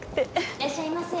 いらっしゃいませ。